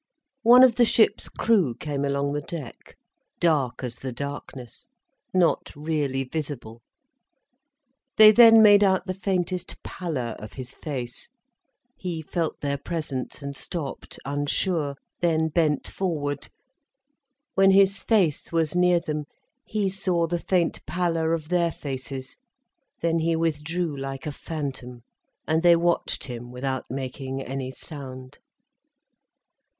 One of the ship's crew came along the deck, dark as the darkness, not really visible. They then made out the faintest pallor of his face. He felt their presence, and stopped, unsure—then bent forward. When his face was near them, he saw the faint pallor of their faces. Then he withdrew like a phantom. And they watched him without making any sound.